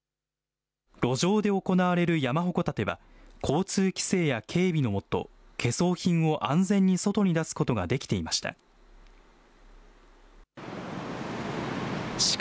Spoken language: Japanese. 路上で行われる山鉾建ては、交通規制や警備の下、懸装品を安全に外に出すことができていました。